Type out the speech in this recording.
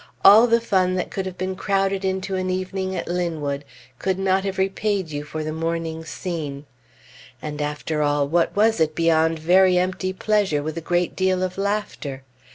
All the fun that could have been crowded into an evening at Linwood could not have repaid you for the morning's scene. And after all, what was it beyond very empty pleasure, with a great deal of laughter?